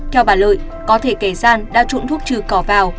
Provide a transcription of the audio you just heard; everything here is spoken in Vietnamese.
theo bà lợi có thể kẻ gian đã trộn thuốc trừ cỏ vào